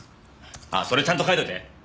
ああそれちゃんと書いといて！